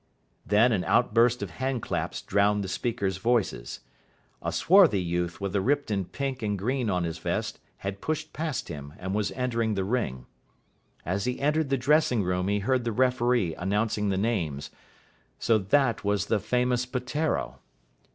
Then an outburst of hand claps drowned the speakers' voices. A swarthy youth with the Ripton pink and green on his vest had pushed past him and was entering the ring. As he entered the dressing room he heard the referee announcing the names. So that was the famous Peteiro!